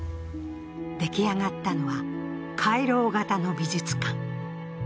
出来上がったのは回廊型の美術館。